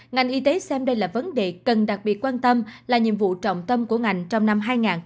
ngành y tế xem đây là vấn đề cần đặc biệt quan tâm là nhiệm vụ trọng tâm của ngành trong năm hai nghìn hai mươi